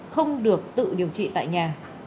không được tự điều trị tại nhà